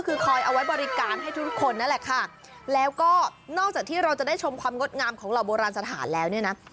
คือคอยเอาไว้บริการให้ทุกคนนั่นแหละค่ะแล้วก็นอกจากที่เราจะได้ชมความงดงามของเหล่าโบราณสถานแล้วเนี่ยนะ